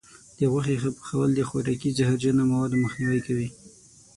د غوښې ښه پخول د خوراکي زهرجنو موادو مخنیوی کوي.